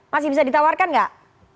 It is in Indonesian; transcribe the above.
masih bisa ditawarkan gak